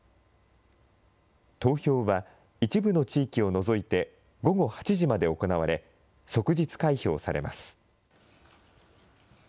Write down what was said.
投票は一部の地域を除いて午後８時まで行われ、即日開票されます。